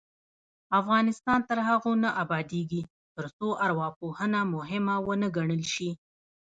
افغانستان تر هغو نه ابادیږي، ترڅو ارواپوهنه مهمه ونه ګڼل شي.